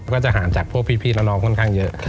ก็จะห่างจากพวกพี่น้องค่อนข้างเยอะ